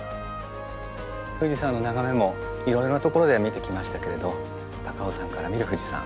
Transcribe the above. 富士山の眺めもいろいろなところで見てきましたけれど高尾山から見る富士山